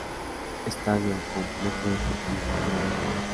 Estadio: Complejo Deportivo Tiradores.